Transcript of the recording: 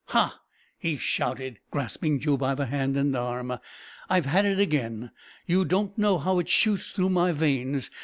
"Ha!" he shouted, grasping Joe by the hand and arm, "I've had it again! You don't know how it shoots through my veins.